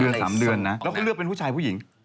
พี่รักจะเป็นผู้ชายหรือผู้หญิง